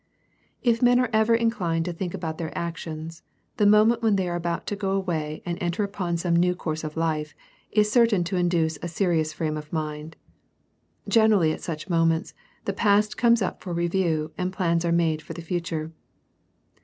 If men are ever inclined to think about their actions, the moment when they are about to go away and enter upon some new course of life, is certain to induce a serious frame of mind. Generally, at such moments, the past comes up for review and plans are made for the future.